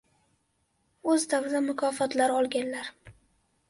O‘z davrida mukofotlar olganlar